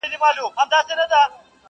د شداد او د توبې یې سره څه,